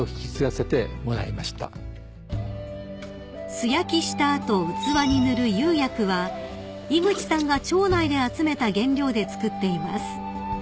［素焼きした後器に塗る釉薬は井口さんが町内で集めた原料で作っています］